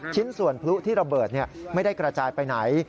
ชิ้นส่วนพลุที่ระเบิดไม่ได้กระจายไปไหน